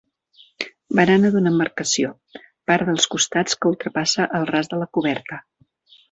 Barana d'una embarcació, part dels costats que ultrapassa el ras de la coberta.